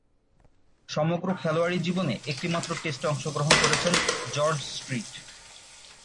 সমগ্র খেলোয়াড়ী জীবনে একটিমাত্র টেস্টে অংশগ্রহণ করেছেন জর্জ স্ট্রিট।